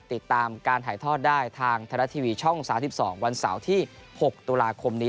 ติดตามการถ่ายทอดได้ทางไทยรัฐทีวีช่อง๓๒วันเสาร์ที่๖ตุลาคมนี้